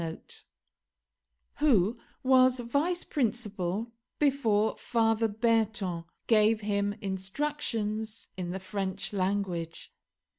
] who was vice principal before Father Berton, gave him instructions in the French language.